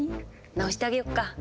治してあげよっか。